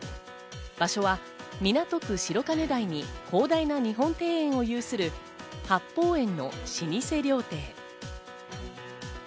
場所は港区白金台に広大な日本庭園を有する八芳園の老舗料亭。